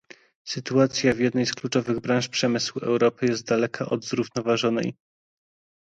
Sytuacja w jednej z kluczowych branż przemysłu Europy jest daleka od zrównoważonej